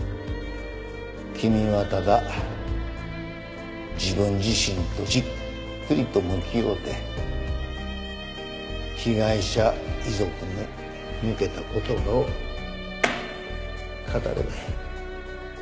君はただ自分自身とじっくりと向き合うて被害者遺族に向けた言葉を語ればええ。